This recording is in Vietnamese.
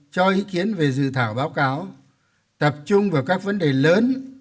cho ý kiến về dự thảo báo cáo tập trung vào các vấn đề lớn